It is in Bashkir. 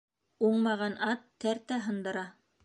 Уңмаған ат тәртә һындыра